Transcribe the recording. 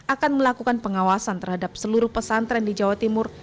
akan melakukan pengawasan terhadap seluruh pesantren di jawa timur